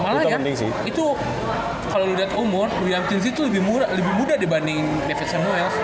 malah ya itu kalau lu lihat umur william tinsley tuh lebih muda dibanding david samuels